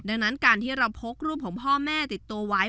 ดังนั้นการที่เราพกรูปของพ่อแม่ติดตัวไว้